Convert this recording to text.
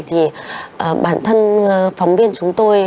thì bản thân phóng viên chúng tôi